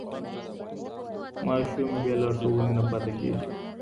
ماشوم بې لارښوونې نه پاته کېږي.